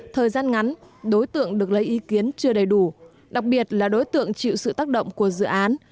thời gian ngắn đối tượng được lấy ý kiến chưa đầy đủ đặc biệt là đối tượng chịu sự tác động của dự án